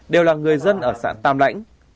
đều là người dân ở xã tàm lãnh